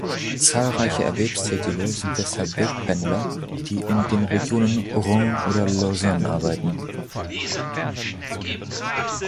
Zahlreiche Erwerbstätige sind deshalb Wegpendler, die in den Regionen Oron oder Lausanne arbeiten.